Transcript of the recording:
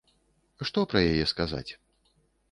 Што пра яе сказаць?